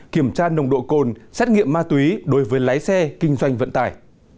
kiểm tra nồng độ cồn xét nghiệm ma túy đối với lái xe kinh doanh vận tải